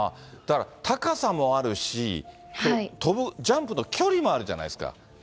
だから、高さもあるし、跳ぶジャンプの距離もあるじゃないですか。